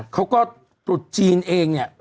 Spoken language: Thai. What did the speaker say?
เขาก็ตรุษจีนเองเนี่ย